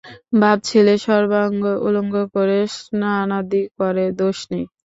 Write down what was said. বাপ-ছেলেয় সর্বাঙ্গ উলঙ্গ করে স্নানাদি করে, দোষ নেই।